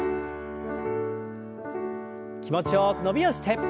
気持ちよく伸びをして。